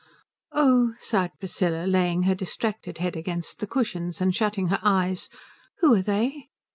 "Oh," sighed Priscilla, laying her distracted head against the cushions and shutting her eyes, "who are they?"